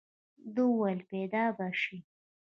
ده وويل پيدا به شي.